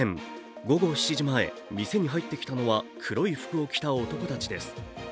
午後７時前、店に入ってきたのは黒い服を着た男たちです。